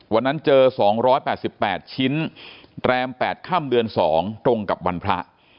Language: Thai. วันนั้นเจอ๒๘๘ชิ้นแรม๘ค่ำเดือน๒ตรงกับวันพระ